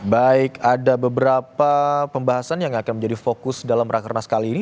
baik ada beberapa pembahasan yang akan menjadi fokus dalam rakernas kali ini